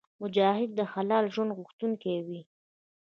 مجاهد د حلال ژوند غوښتونکی وي.